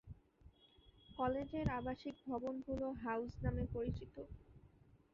কলেজের আবাসিক ভবনগুলো হাউস নামে পরিচিত।